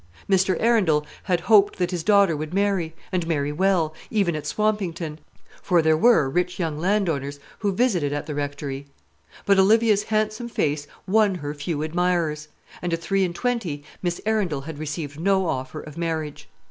Mr. Arundel had hoped that his daughter would marry, and marry well, even at Swampington; for there were rich young landowners who visited at the Rectory. But Olivia's handsome face won her few admirers, and at three and twenty Miss Arundel had received no offer of marriage.